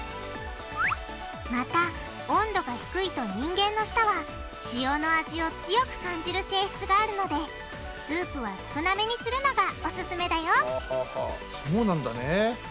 また温度が低いと人間の舌は塩の味を強く感じる性質があるのでスープは少なめにするのがオススメだよそうなんだね。